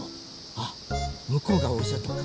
あっむこうがおそとか。